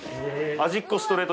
味っ子ストレート